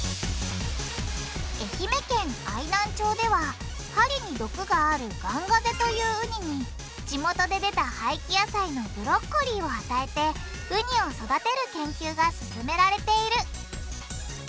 愛媛県愛南町では針に毒がある「ガンガゼ」というウニに地元で出た廃棄野菜のブロッコリーを与えてウニを育てる研究が進められている。